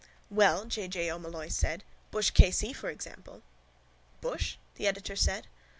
—Well, J. J. O'Molloy said, Bushe K.C., for example. —Bushe? the editor said.